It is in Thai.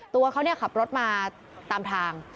ตัวเขาขับรถมาตามทาง